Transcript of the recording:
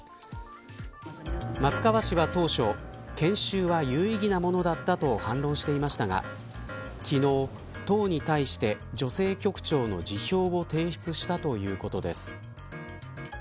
松川氏は当初研修は有意義なものだったと反論していましたが昨日、党に対して女性局長の辞表を提出したということです。